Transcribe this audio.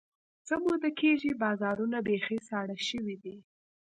څه موده کېږي، بازارونه بیخي ساړه شوي دي.